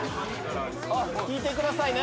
引いてくださいね。